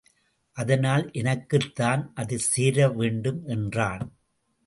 அதனால் எனக்குத்தான் அதுசேர வேண்டும் என்றான்.